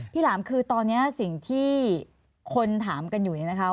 หลามคือตอนนี้สิ่งที่คนถามกันอยู่เนี่ยนะคะ